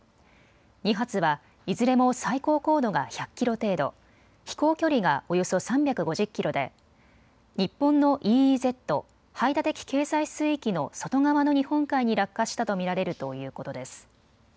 ２発はいずれも最高高度が１００キロ程度、飛行距離がおよそ３５０キロで日本のＥＥＺ・排他的経済水域の外側の日本海に落下したと見られるということです。